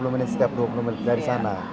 dua puluh menit setiap dua puluh menit dari sana